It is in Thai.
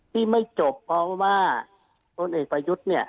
ที่ไม่จบเพราะว่าพลเอกประยุทธ์เนี่ย